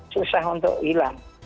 susah untuk hilang